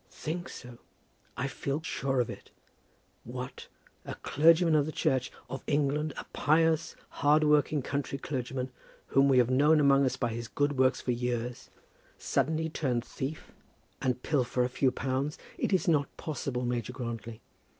"Think so! I feel quite sure of it. What; a clergyman of the Church of England, a pious, hard working country clergyman, whom we have known among us by his good works for years, suddenly turn thief, and pilfer a few pounds! It is not possible, Major Grantly.